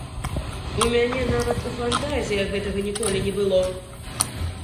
У мяне нават у фантазіях гэтага ніколі не было.